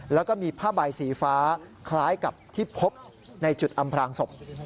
แล้วก็มีผ้าใบสีฟ้าคล้ายกับที่พบในจุดอำพลางศพ